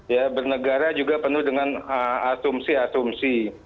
ya bernegara juga penuh dengan asumsi asumsi